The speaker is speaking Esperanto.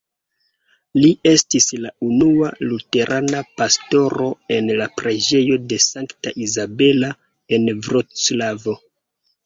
Li estis la unua luterana pastoro en la Preĝejo de Sankta Izabela, en Vroclavo.